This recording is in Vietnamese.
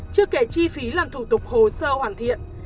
chưa kể chi phí làm thủ tục hồ sơ hoàn thiện